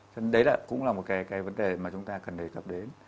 chứ đấy là cũng là một cái vấn đề mà chúng ta cần đề cập đến